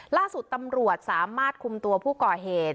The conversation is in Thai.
ล่าสุดตำรวจสามารถคุมตัวผู้ก่อเหตุ